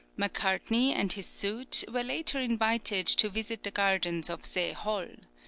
Macartney and his suite were later invited to visit the gardens of Zhe Hol.